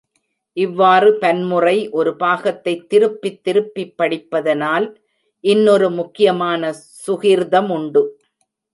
இவ்வாறு பன்முறை ஒரு பாகத்தைத் திருப்பித் திருப்பிப் படிப்பதனால் இன்னொரு முக்கியமான சுகிர்தமுண்டு.